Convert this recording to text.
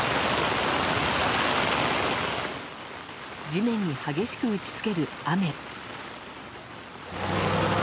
地面に激しく打ち付ける雨。